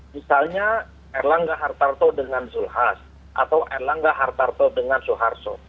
misalnya erlangga hartarto dengan zulhas atau erlangga hartarto dengan soeharto